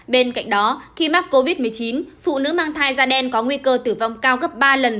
bên cạnh đó khi mắc covid một mươi chín phụ nữ mang thai da đen có nguy cơ tử vong cao gấp ba lần